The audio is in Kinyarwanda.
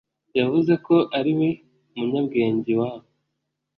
yavuze ko ariwe munyabwenge iwabo